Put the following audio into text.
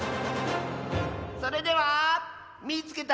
それでは「みいつけた！